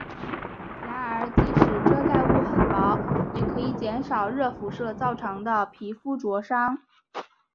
然而即使遮盖物很薄也可以减少热辐射造成的皮肤灼伤。